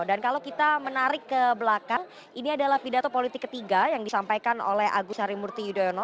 dan kalau kita menarik ke belakang ini adalah pidato politik ketiga yang disampaikan oleh agus harimurti yudhoyono